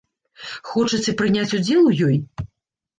Хочаце прыняць удзел у ёй?